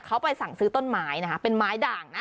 เขาไปสั่งซื้อต้นไม้นะคะเป็นไม้ด่างนะ